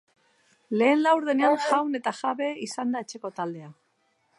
Lehen laurdenean jaun eta jabe izan da etxeko taldea.